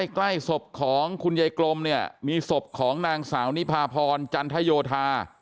ใกล้ศพของคุณยายกลมเนี่ยมีศพของนางสาวนิพาพรจันทโยธา